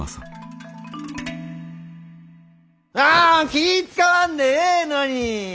気ぃ遣わんでええのに！